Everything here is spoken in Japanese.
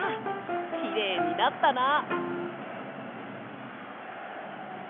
きれいになったな！